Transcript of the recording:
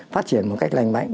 phát triển một cách lành mạnh